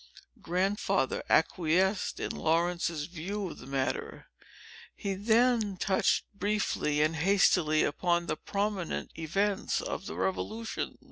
Grandfather acquiesced in Laurence's view of the matter. He then touched briefly and hastily upon the prominent events of the Revolution.